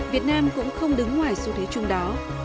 việt nam cũng không đứng ngoài xu thế chung đó